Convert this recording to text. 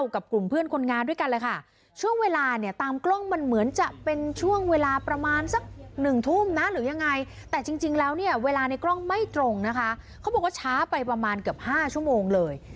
เขาบอกว่าช้าไปประมาณเกือบ๕ชั่วโมงเลย